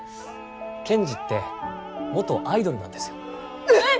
ケンジって元アイドルなんですよえっ！？